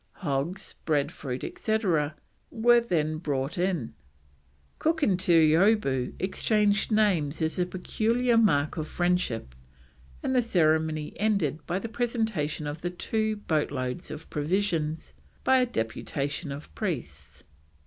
Hogs, bread fruit, etc., were then brought in. Cook and Terreeoboo exchanged names as a peculiar mark of friendship, and the ceremony ended by the presentation of the two boat loads of provisions by a deputation of the priests.